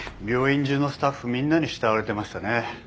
病院中のスタッフみんなに慕われてましたね。